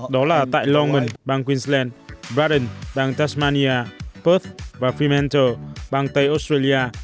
đó là tại london bang queensland braddon bang tasmania perth và fremantle bang tây australia